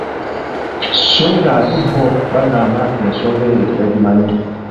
Sso ng’ate bo bagamba nti ensonga eyo tebagimanyi.